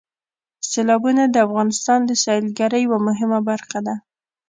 سیلابونه د افغانستان د سیلګرۍ یوه مهمه برخه ده.